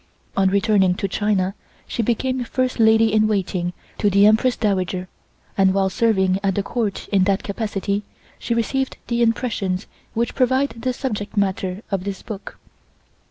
On returning to China, she became First Lady in Waiting to the Empress Dowager, and while serving at the Court in that capacity she received the impressions which provide the subject matter of this book.